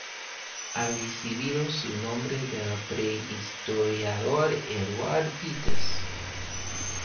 Ha recibido su nombre del prehistoriador Eduard Peters.